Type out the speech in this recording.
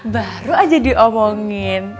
baru aja diomongin